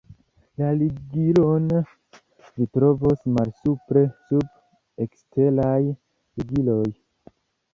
La ligilon vi trovos malsupre sub "Eksteraj ligiloj".